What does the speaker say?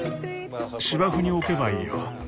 芝生に置けばいいよ。